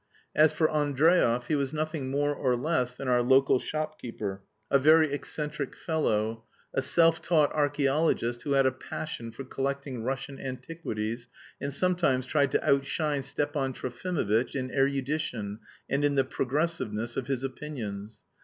As for Andreev, he was nothing more or less than our local shopkeeper, a very eccentric fellow, a self taught archæologist who had a passion for collecting Russian antiquities and sometimes tried to outshine Stepan Trofimovitch in erudition and in the progressiveness of his opinions.